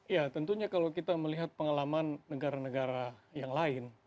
ya tentunya kalau kita melihat pengalaman negara negara yang lain